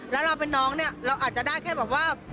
แล้วเราเป็นน้องเนี่ยเราอาจจะได้แค่แบบว่า